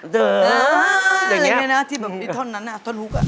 เดอะอย่างเงี้ยนะที่แบบที่ท่อนนั้นน่ะท่อนฮุกอะ